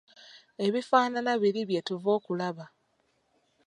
Ebifaanana biri bye tuva okulaba.